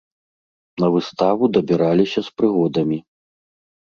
На выставу дабіраліся з прыгодамі.